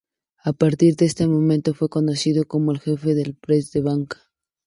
A partir de este momento fue conocido como el "jefe del press de banca".